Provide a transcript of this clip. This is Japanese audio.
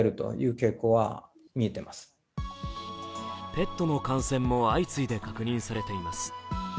ペットの感染も相次いで確認されています。